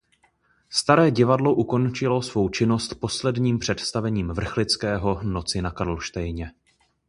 Staré divadlo ukončilo svou činnost posledním představením Vrchlického "Noci na Karlštejně".